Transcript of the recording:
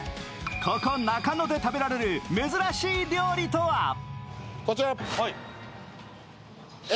ここ中野で食べられる珍しい料理とは？